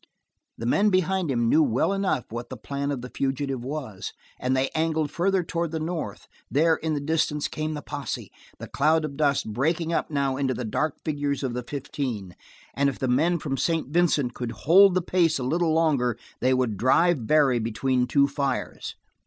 The men behind him knew well enough what the plan of the fugitive was, and they angled farther toward the north; there in the distance came the posse, the cloud of dust breaking up now into the dark figures of the fifteen, and if the men from St. Vincent could hold the pace a little longer they would drive Barry between two fires.